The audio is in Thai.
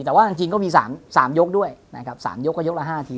แต่ว่าจริงก็มี๓ยกด้วยนะครับ๓ยกก็ยกละ๕ที